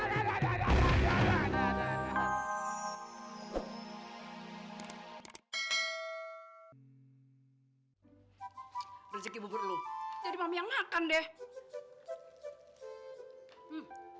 hai rezeki berlum jadi ngakan deh